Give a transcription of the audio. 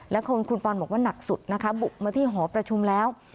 และคุณปอนบอกว่าหนักสุดนะคะบุกมาที่หอประชุมแล้ว